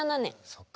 そっか。